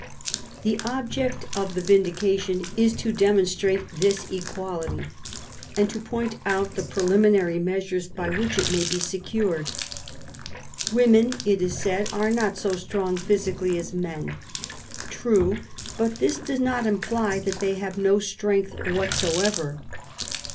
The object of the Vindu cation is to demonstrate this equality, and to point out the preliminary measures by which it may be secured. Women, it is said, are not so strong physically as men. True ; but this does not imply that they have no strength whatsoever.